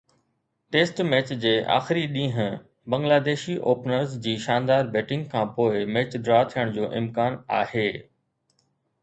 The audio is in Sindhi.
ٽيسٽ ميچ جي آخري ڏينهن بنگلاديشي اوپنرز جي شاندار بيٽنگ کانپوءِ ميچ ڊرا ٿيڻ جو امڪان آهي.